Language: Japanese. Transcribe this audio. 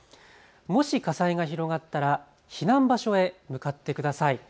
もし火災が広がったら避難場所へ向かってください。